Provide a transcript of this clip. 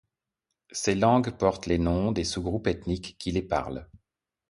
Ces langues portent les noms des sous-groupes ethniques qui les parlent.